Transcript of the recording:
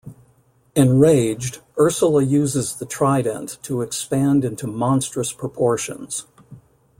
Enraged, Ursula uses the trident to expand into monstrous proportions.